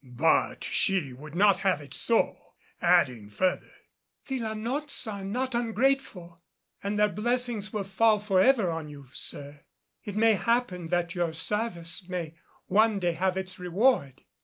But she would not have it so, adding further, "The La Nottes are not ungrateful and their blessings will fall forever on you, sir. It may happen that your service may one day have its reward.